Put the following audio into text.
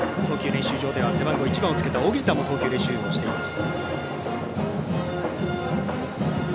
練習場では背番号１番をつけた小北も投球練習をしています。